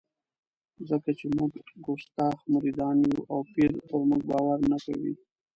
ځکه چې موږ کستاخ مریدان یو او پیر پر موږ باور نه کوي.